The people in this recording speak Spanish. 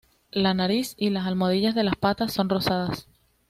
La nariz y las almohadillas de la patas son rosadas.